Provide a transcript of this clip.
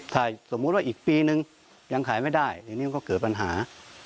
ถ้าสมมุติว่าอีกปีนึงยังขายไม่ได้ทีนี้มันก็เกิดปัญหา